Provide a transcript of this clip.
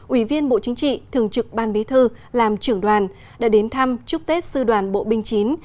ủy viên bộ chính trị thường trực ban bí thư làm trưởng đoàn đã đến thăm chúc tết sư đoàn bộ binh chín